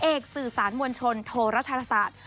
เอกสื่อสารมวลชนโทรธรศาสตร์